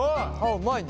うまいね。